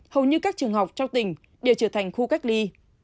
hầu như các trường học trong tỉnh đều trở thành khu cách ly